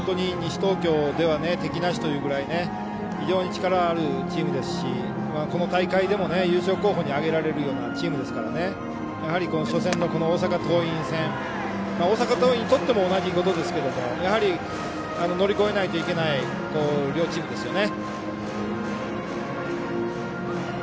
東京では敵なしというぐらい非常に力のあるチームですしこの大会でも優勝候補に挙げられるようなチームですから初戦の大阪桐蔭戦。大阪桐蔭にとっても同じことですけど乗り越えないといけない両チームですよね。